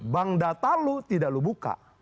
bank data lo tidak lu buka